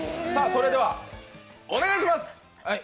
それでは、お願いします。